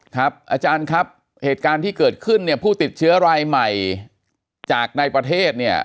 อาจารย์ครับเหตุการณ์ที่เกิดขึ้นเนี่ยผู้ติดเชื้อรายใหม่จากในประเทศเนี่ย